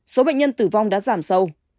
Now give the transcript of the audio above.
số bệnh nhân tử vong đã giảm sâu